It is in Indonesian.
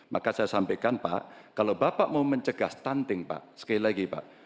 maka saya sampaikan pak kalau bapak mau mencegah stunting pak sekali lagi pak